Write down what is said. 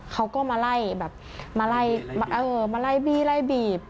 เขาก็มาไล่มาไล่บีบ